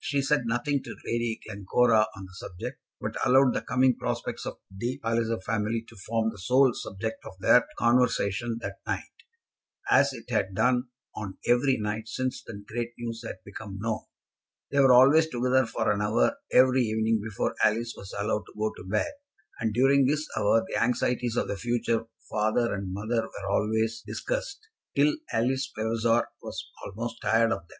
She said nothing to Lady Glencora on the subject, but allowed the coming prospects of the Palliser family to form the sole subject of their conversation that night, as it had done on every night since the great news had become known. They were always together for an hour every evening before Alice was allowed to go to bed, and during this hour the anxieties of the future father and mother were always discussed till Alice Vavasor was almost tired of them.